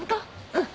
うん。